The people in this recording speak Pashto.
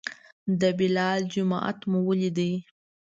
د بلال جومات مو ولید.